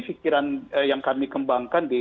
pikiran yang kami kembangkan di